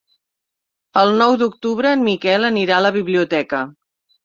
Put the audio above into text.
El nou d'octubre en Miquel anirà a la biblioteca.